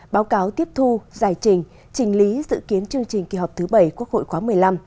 báo cáo tiếp thu giải trình trình lý dự kiến chương trình kỳ họp thứ bảy quốc hội khóa một mươi năm